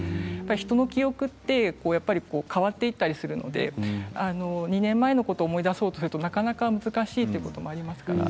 人の記憶って変わっていったりするので２年前のことを思い出そうとするとなかなか難しいということもあります。